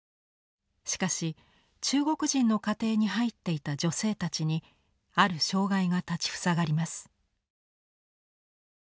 しかし中国人の家庭に入っていた女性たちにある障害が立ち塞がります。